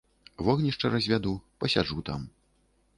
Вогнішча развяду, пасяджу там.